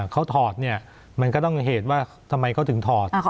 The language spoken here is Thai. เขาถอดเนี่ยมันก็ต้องเหตุว่าทำไมเขาถึงถอด